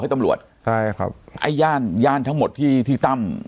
ตำรวจใช่ครับไอ้ย่านย่านทั้งหมดที่ที่ตั้ม